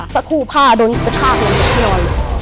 สักครู่ผ้าโดนประชาธิวัณฑินอย่าง